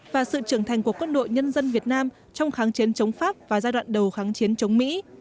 và sự trưởng thành của quân đội nhân dân việt nam trong kháng chiến chống pháp và giai đoạn đầu kháng chiến chống mỹ